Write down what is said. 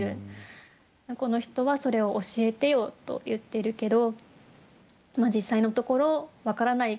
この人はそれを教えてよと言ってるけど実際のところ分からない。